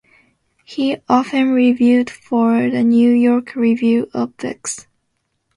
He often reviewed for the New York Review of Books.